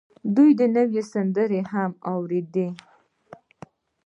دوه نورې سندرې يې هم واورېدې.